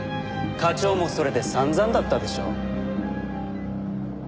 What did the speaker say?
課長もそれで散々だったでしょ？